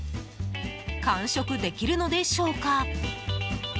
完食できるのでしょうか？